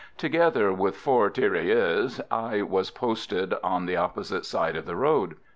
Together with four tirailleurs I was posted on the opposite side of the road.